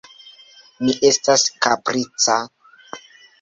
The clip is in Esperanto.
Mi estas kaprica.